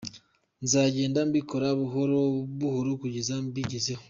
Nzagenda mbikora buhoro buhoro kugeza mbigezeho.